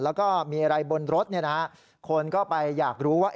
แล้วก็มีอะไรบนรถคนก็ไปอยากรู้ว่า